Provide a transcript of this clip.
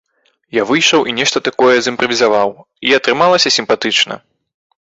Я выйшаў і нешта там такое зымправізаваў, і атрымалася сімпатычна.